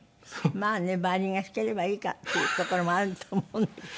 まあねヴァイオリンが弾ければいいかっていうところもあると思うんだけど。